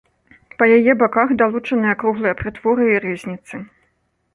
Па яе баках далучаны акруглыя прытворы і рызніцы.